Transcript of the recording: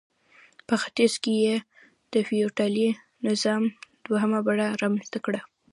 په ختیځ کې یې د فیوډالي نظام دویمه بڼه رامنځته کړه.